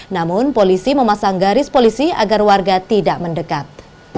namun polisi memasang garis polisi agar warga tidak mendekat